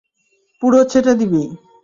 পুরো ছেঁটে দিবি।